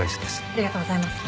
ありがとうございます。